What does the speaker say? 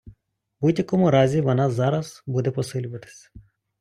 В будь-якому разі вона зараз буде посилюватися.